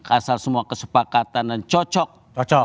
asal semua kesepakatan dan cocok